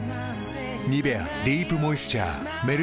「ニベアディープモイスチャー」メルティタイプ